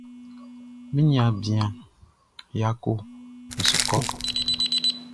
Mi niaan bian Yako n su kɔ.